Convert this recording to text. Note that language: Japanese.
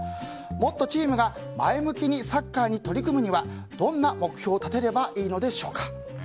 もっとチームが前向きにサッカーに取り組むにはどんな目標を立てればいいのでしょうか。